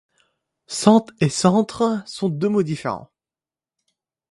sente et centre sont deux mots différents